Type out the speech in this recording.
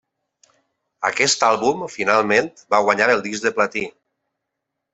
Aquest àlbum finalment va guanyar el disc de platí.